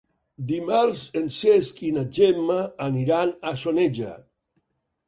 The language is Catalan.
Dimarts en Cesc i na Gemma aniran a Soneja.